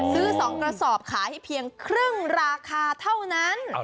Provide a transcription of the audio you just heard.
ซื้อ๒กระสอบขายให้เพียงครึ่งราคาเท่านั้น